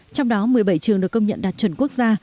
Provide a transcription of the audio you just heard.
trong đó một mươi bảy trường được công nhận đạt chuẩn quốc gia